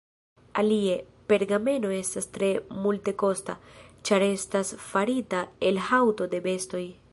Alie, pergameno estas tre multekosta, ĉar estas farita el haŭto de bestoj.